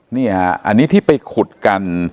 นี่ฮะอันนี้ที่ไปขุดกัน